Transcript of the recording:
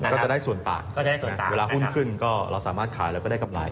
ก็จะได้ส่วนต่างก็จะได้ส่วนต่างนะครับเวลาหุ้นขึ้นก็เราสามารถขายแล้วก็ได้กำไร